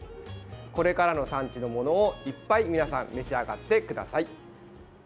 これからの産地のものをいっぱい皆さん召し上がってください。